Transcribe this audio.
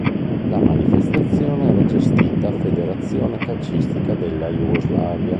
La manifestazione era gestita Federazione calcistica della Jugoslavia.